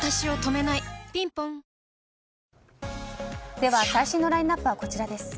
では、最新のラインアップはこちらです。